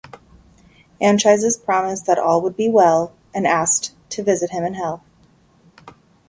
Anchises promised that all would be well and asked to visit him in hell.